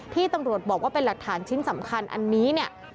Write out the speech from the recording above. ตำรวจบอกว่าเป็นหลักฐานชิ้นสำคัญอันนี้เนี่ย